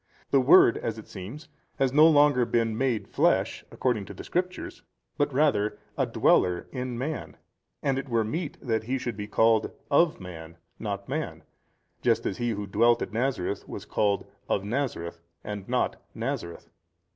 The Word (as it seems) has no longer been made flesh, according to the Scriptures, but rather a dweller in man, and it were meet that He should be called, of man, not man, just as he who dwelt at Nazareth was called, of Nazareth, not Nazareth.